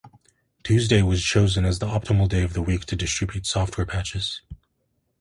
Tuesday was chosen as the optimal day of the week to distribute software patches.